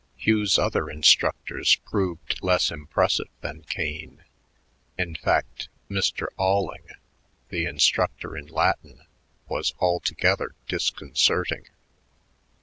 Hugh's other instructors proved less impressive than Kane; in fact, Mr. Alling, the instructor in Latin, was altogether disconcerting.